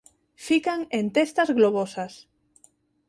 Fican en testas globosas.